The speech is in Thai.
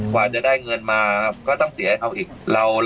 กว่าจะได้เงินมาก็ต้องเสียให้เขาอีก